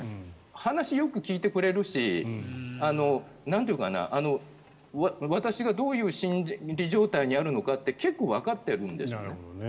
話をよく聞いてくれるし私がどういう心理状態にあるのかというのを結構わかってるんですよね。